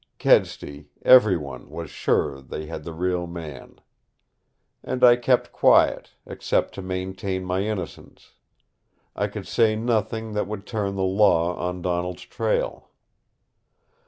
Kedsty, every one, was sure they had the real man. And I kept quiet, except to maintain my innocence. I could say nothing that would turn the law on Donald's trail.